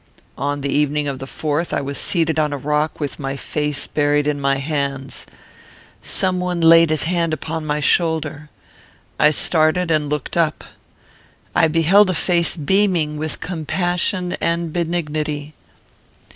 On the evening of the fourth, I was seated on a rock, with my face buried in my hands. Some one laid his hand upon my shoulder. I started and looked up. I beheld a face beaming with compassion and benignity.